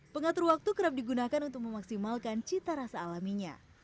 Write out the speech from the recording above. pengatur waktu kerap digunakan untuk memaksimalkan cita rasa alaminya